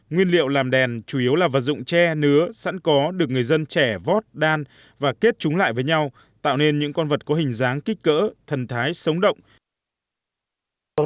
nguyên liệu làm đèn chủ yếu là vật dụng tre nứa sẵn có được người dân trẻ vót đan và kết chúng lại với nhau tạo nên những con vật có hình dáng kích cỡ thần thái sống động